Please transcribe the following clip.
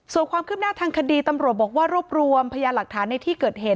ส่วนความคืบหน้าทางคดีตำรวจบอกว่ารวบรวมพยานหลักฐานในที่เกิดเหตุ